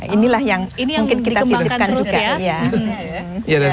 ini yang mungkin kita hidupkan juga